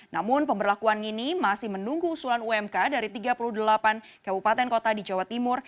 namun pemberlakuan ini masih menunggu usulan umk dari tiga puluh delapan kabupaten kota di jawa timur